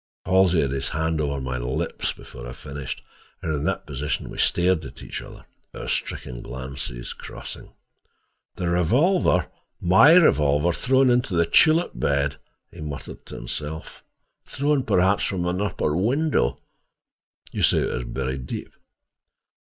Halsey had his hand over my lips before I finished, and in that position we stared each at the other, our stricken glances crossing. "The revolver—my revolver—thrown into the tulip bed!" he muttered to himself. "Thrown perhaps from an upper window: you say it was buried deep.